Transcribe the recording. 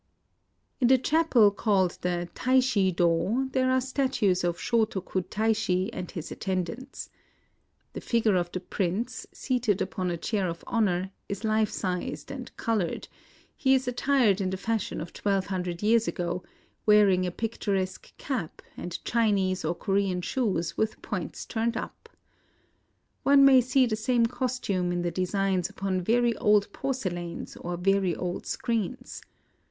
In the cbapel called the Taishi Do there are statues of Shotoku Taishi and his attend ants. The figure of the prince, seated upon a chair of honor, is life size and colored ; he is attired in the fashion of twelve hundred years ago, wearing a picturesque cap, and Chinese or Korean shoes with points turned up. One may see the same costume in the designs upon very old porcelains or very old screens.